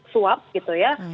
suap gitu ya